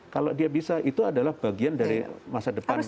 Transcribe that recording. kalau dia bisa itu adalah bagian dari masa depan